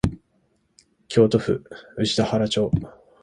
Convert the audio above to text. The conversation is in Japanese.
京都府宇治田原町